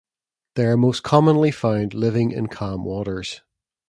They are most commonly found living in calm waters.